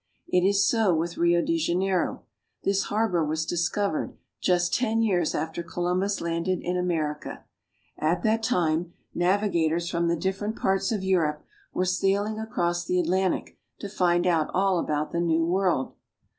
It is so with Rio de Janeiro. This harbor was discovered just ten years after Columbus landed in America. At that time navigators from the different parts of Europe were sailing across the Atlantic to find out all about the New World.